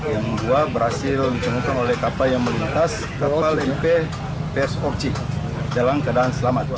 yang kedua berhasil ditemukan oleh kapal yang melintas kapal mp ps oci dalam keadaan selamat